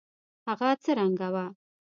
هغه څه رنګه وه.